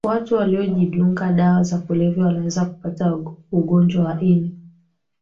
watu wanaojidunga dawa za kulevya wanaweza kupata ugonjwa wa ini